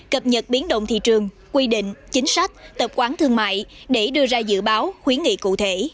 cập nhật biến động thị trường quy định chính sách tập quán thương mại để đưa ra dự báo khuyến nghị cụ thể